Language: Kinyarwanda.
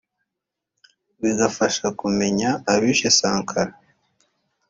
bigafasha kumenya abishe Sankara’’